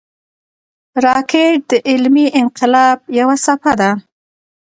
راکټ د علمي انقلاب یوه څپه ده